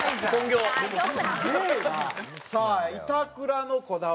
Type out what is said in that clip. さあ板倉のこだわりは。